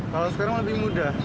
kalau sekarang lebih mudah